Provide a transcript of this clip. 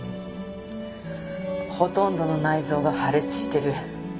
ほとんどの内臓が破裂してる。